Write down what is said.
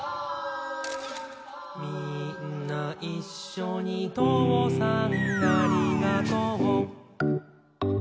「みーんないっしょにとうさんありがとう」